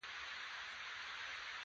اوس په شخصي تجارت بوخت دی.